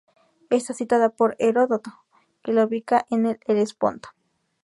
Es citada por Heródoto, que la ubica en el Helesponto.